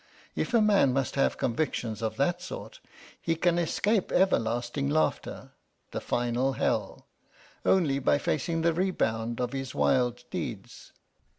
If a man must have convictions of that sort, he can escape everlasting laughter the final hell only by facing the rebound of his wild deeds."